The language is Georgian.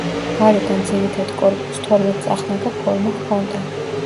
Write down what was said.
გარედან ძირითად კორპუსს თორმეტწახნაგა ფორმა ჰქონდა.